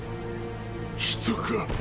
人か！